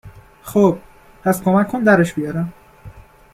خب پس کمک کن درش بیارم